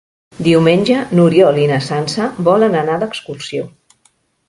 Diumenge n'Oriol i na Sança volen anar d'excursió.